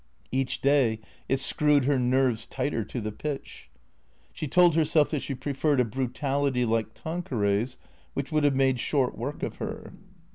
Each day it screwed her nerves tighter to the pitch. She told herself that she preferred a brutality like Tanqueray's which would have made short work of her.